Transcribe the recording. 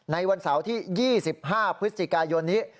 ในวันเสาร์ที่๒๕พฤศจิกายนนี้